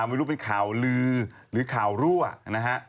ไม่รู้เป็นข่าวลือหรือข่าวรั่วนะฮะ